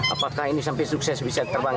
apakah ini sampai sukses bisa terbang